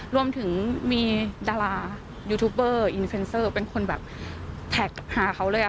รวมถึงมีดารายูทูบเบอร์อินเซ็นเซอร์เป็นคนแบบแท็กหาเขาเลย